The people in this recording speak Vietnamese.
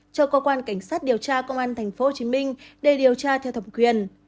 cho công an cảnh sát điều tra công an tp hcm để điều tra theo thẩm quyền